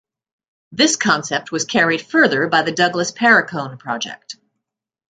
This concept was carried further by the Douglas Paracone project.